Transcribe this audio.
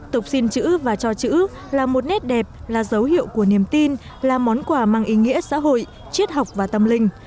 tục xin chữ và cho chữ là một nét đẹp là dấu hiệu của niềm tin là món quà mang ý nghĩa xã hội triết học và tâm linh